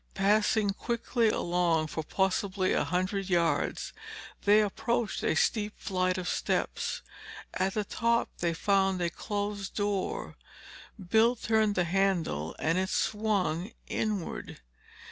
Passing quickly along for possibly a hundred yards, they approached a steep flight of steps. At the top they found a closed door. Bill turned the handle and it swung inward.